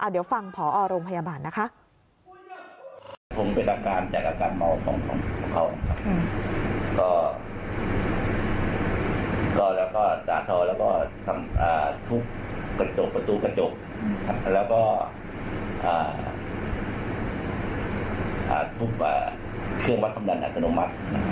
เดี๋ยวฟังผอโรงพยาบาลนะคะ